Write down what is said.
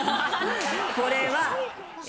これはえ